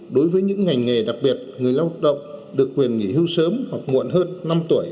đối với những ngành nghề đặc biệt người lao động được quyền nghỉ hưu sớm hoặc muộn hơn năm tuổi